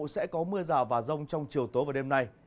sẽ có mưa rào và rông trong chiều tối và đêm nay